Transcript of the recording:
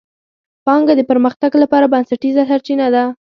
پانګه د پرمختګ لپاره بنسټیزه سرچینه ده.